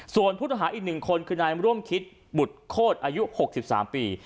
ส่วนผู้ต้องหาอีก๑คนคือนายร่วมคิดบุตรโคตรอายุ๖๓ปี